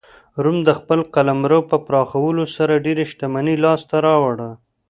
روم د خپل قلمرو په پراخولو سره ډېره شتمنۍ لاسته راوړه.